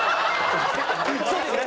そうですね。